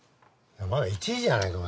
まだ１時じゃないか。